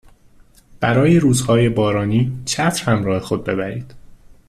برای روزهای بارانی چتر همراه خود ببرید